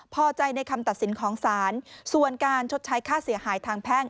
พอใจในคำตัดสินของศาลส่วนการชดใช้ค่าเสียหายทางแพ่ง